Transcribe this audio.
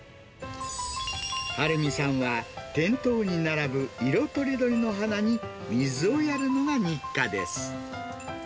春美さんは店頭に並ぶ色とりどりの花に水をやるのが日課です。